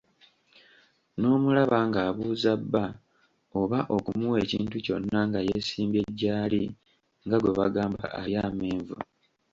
N'omulaba ng'abuuza bba oba okumuwa ekintu kyonna nga yeesimbye jjaali nga gwe bagamba alya amenvu.